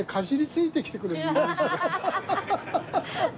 ハハハハ！